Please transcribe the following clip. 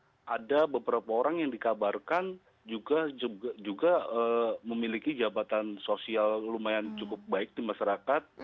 karena ada beberapa orang yang dikabarkan juga memiliki jabatan sosial lumayan cukup baik di masyarakat